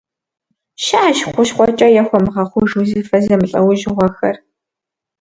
Щыӏэщ хущхъуэкӏэ яхуэмыгъэхъуж узыфэ зэмылӏэужьыгъуэхэр.